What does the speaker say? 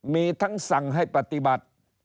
มีทั้งสั่งให้ปฏิบัติ